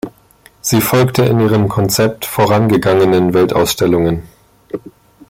Sie folgte in ihrem Konzept vorangegangenen Weltausstellungen.